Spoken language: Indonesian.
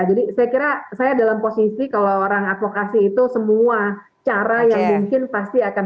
jadi saya kira saya dalam posisi kalau orang advokasi itu semua cara yang bisa diadakan